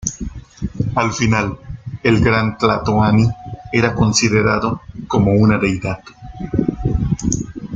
Al final, el Gran Tlatoani era considerado como una deidad.